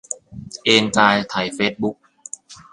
เอนกายไถเฟซบุ๊ก